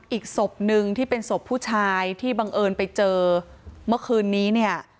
อีกศพหนึ่งที่เป็นศพผู้ชายที่บังเอิญไปเจอเมื่อคืนนี้เนี่ย